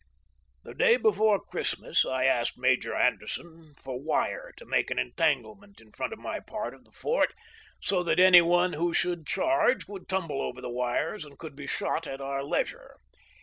The day before Christmas I asked Major Anderson for wire to make an entanglement in front of my part of the fort, so that any one who should charge would tumble over the wires and could be shot at our leisure.